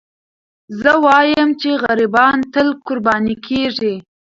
زه وایم چې غریبان تل قرباني کېږي.